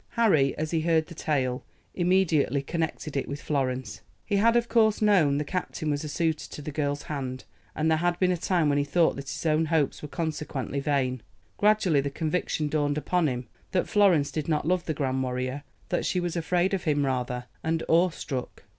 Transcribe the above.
Harry, as he heard the tale, immediately connected it with Florence. He had, of course, known the captain was a suitor to the girl's hand, and there had been a time when he thought that his own hopes were consequently vain. Gradually the conviction dawned upon him that Florence did not love the grand warrior, that she was afraid of him rather and awe struck.